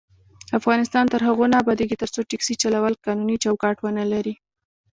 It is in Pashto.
افغانستان تر هغو نه ابادیږي، ترڅو ټکسي چلول قانوني چوکاټ ونه لري.